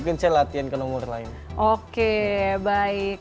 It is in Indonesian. ke nomor lain oke baik